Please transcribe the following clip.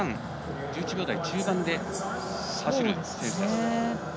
１１秒台中盤で走る選手。